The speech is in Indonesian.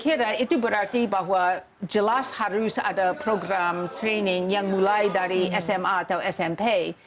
saya kira itu berarti bahwa jelas harus ada program training yang mulai dari sma atau smp